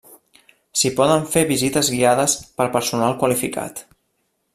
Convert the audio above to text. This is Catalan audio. S'hi poden fer visites guiades per personal qualificat.